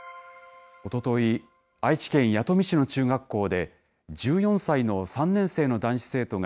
おととい、愛知県弥富市の中学校で、１４歳の３年生の男子生徒が、